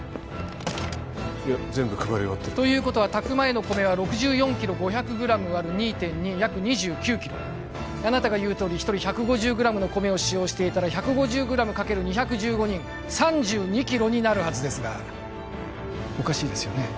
いや全部配り終わってるということは炊く前の米は６４キロ５００グラム割る２．２約２９キロあなたが言うとおり１人１５０グラムの米を使用していたら１５０グラムかける２１５人３２キロになるはずですがおかしいですよね